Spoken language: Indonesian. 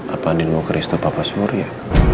apa andien mau ke restoran papa surya